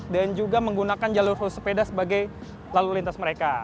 dan juga menggunakan jalur khusus sepeda sebagai lalu lintas mereka